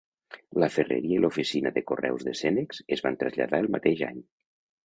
La ferreria i l'oficina de correus de Senex es van traslladar el mateix any.